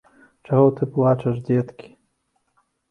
Чаго ж ты плачаш, дзеткі!